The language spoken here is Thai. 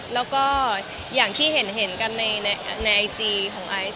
แล้วก็อย่างที่เห็นกันในไอจีของไอซ์